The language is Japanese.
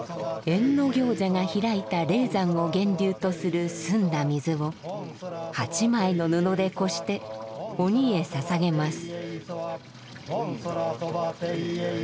役行者が開いた霊山を源流とする澄んだ水を８枚の布でこして鬼へ捧げます。